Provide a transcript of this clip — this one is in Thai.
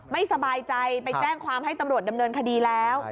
ไม่สบายใจไปแจ้งความให้ตำรวจดำเนินคดีแล้ว